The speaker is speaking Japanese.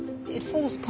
そうですか。